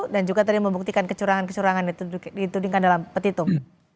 dan juga tadi membuktikan kecurangan kecurangan itu ditudingkan dalam petitum